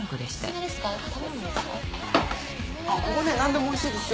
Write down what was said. あっここね何でもおいしいですよ。